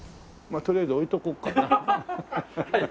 とりあえず置いておこうかな。